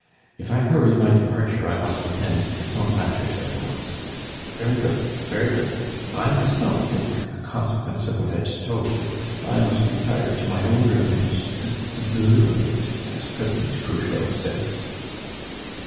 "If I hurry my departure, I must attend to some matters at once." "Very good, very good! I myself in c consequence of what I t told you I must retire to my own room and 'd d deliberate,' as President Cruchot says."